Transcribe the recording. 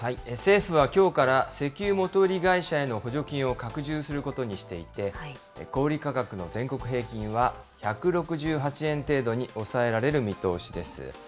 政府はきょうから、石油元売り会社への補助金を拡充することにしていて、小売り価格の全国平均は１６８円程度に抑えられる見通しです。